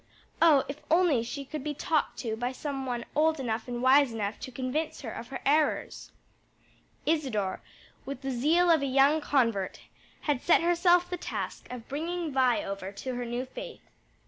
Oh, if only she could be talked to by some one old enough and wise enough to convince her of her errors!" Isadore with the zeal of a young convert, had set herself the task of bringing Vi over to her new faith.